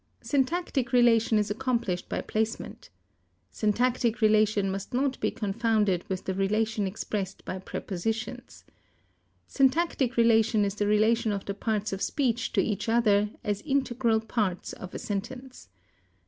Syntactic relation is accomplished by placement. Syntactic relation must not be confounded with the relation expressed by prepositions. Syntactic relation is the relation of the parts of speech to each other as integral parts of a sentence.